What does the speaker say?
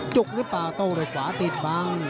จุกหรือเปล่าโต้เลยขวาตีดบ้าง